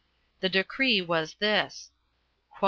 The decree was this: 10.